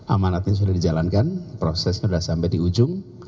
amanatnya sudah dijalankan prosesnya sudah sampai di ujung